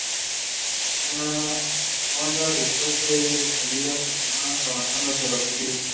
Una onda de choque es despedida de sus manos, avanzando hacia el objetivo.